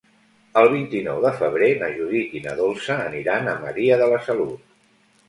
El vint-i-nou de febrer na Judit i na Dolça aniran a Maria de la Salut.